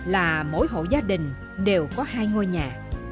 là mỗi hộ gia đình đều có hai ngôi nhà